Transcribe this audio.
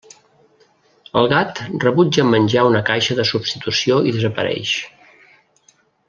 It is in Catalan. El gat rebutja menjar una caixa de substitució i desapareix.